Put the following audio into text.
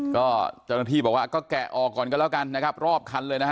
ก็เจ้าหน้าที่บอกว่าก็แกะออกก่อนกันแล้วกันนะครับรอบคันเลยนะฮะ